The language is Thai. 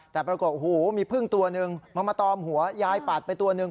แต่ปรากฏโอ้โหมีพึ่งตัวหนึ่งมันมาตอมหัวยายปัดไปตัวหนึ่ง